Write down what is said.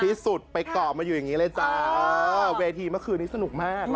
ที่สุดไปเกาะมาอยู่อย่างนี้เลยจ้าเวทีเมื่อคืนนี้สนุกมาก